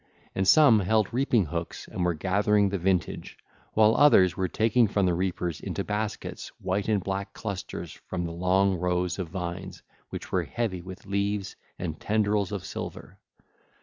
And some held reaping hooks and were gathering the vintage, while others were taking from the reapers into baskets white and black clusters from the long rows of vines which were heavy with leaves and tendrils of silver.